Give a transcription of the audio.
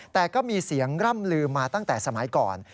แต่ก็มีเสียงร่ำลืมมาตั้งแต่สมัยก่อน